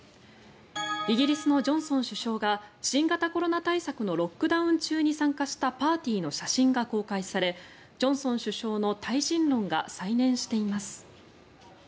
イギリスのジョンソン首相が新型コロナ対策のロックダウン中に参加したパーティーの写真が公開されジョンソン首相の退陣論が再燃しています。